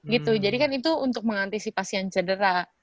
gitu jadi kan itu untuk mengantisipasi yang cedera